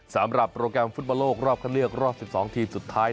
สำหรับโปรแกรมฟุตบอลโลกรอบคันเลือกรอบ๑๒ทีมสุดท้าย